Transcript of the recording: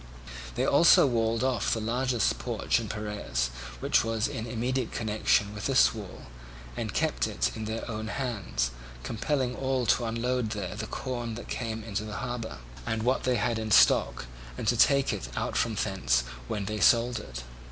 They also walled off the largest porch in Piraeus which was in immediate connection with this wall, and kept it in their own hands, compelling all to unload there the corn that came into the harbour, and what they had in stock, and to take it out from thence when they sold it.